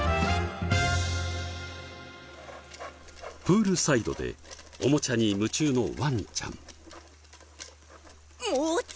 プールサイドでおもちゃに夢中のワンちゃん。